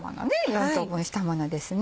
４等分したものですね。